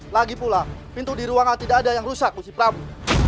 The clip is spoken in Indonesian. lagi pula pintu di ruangan tidak ada yang rusak musim prabu